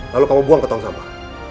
lalu kamu buang ke tong sampah